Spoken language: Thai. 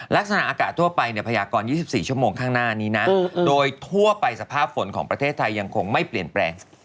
ลักษณะอากาศทั่วไปพยากร๒๔ชั่วโมงข้างหน้านี้นะโดยทั่วไปสภาพฝนของประเทศไทยยังคงไม่เปลี่ยนแปลง